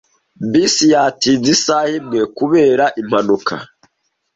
Bisi yatinze isaha imwe kubera impanuka.